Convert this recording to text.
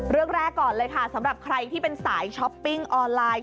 เรื่องแรกก่อนเลยค่ะสำหรับใครที่เป็นสายช้อปปิ้งออนไลน์